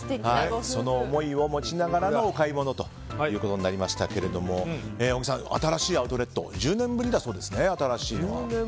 その思いを持ちながらのお買い物ということになりましたが小木さん、新しいアウトレットは１０年ぶりだそうですね。